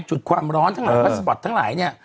จุดความร้อนทั้งหลายพาสปอร์ตทั้งหลายเนี่ย